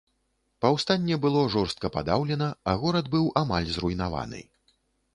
Паўстанне было жорстка падаўлена, а горад быў амаль зруйнаваны.